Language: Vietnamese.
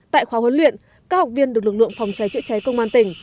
tại khóa huấn luyện các học viên được lực lượng phòng cháy chữa cháy công an tỉnh